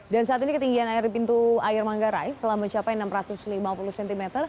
dan saat ini ketinggian air di pintu air manggarai telah mencapai enam ratus lima puluh cm